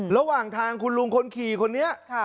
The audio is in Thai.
ระหว่างทางคุณลุงคนขี่คนนี้